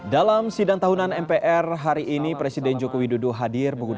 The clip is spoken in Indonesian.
dalam sidang tahunan mpr hari ini presiden joko widodo hadir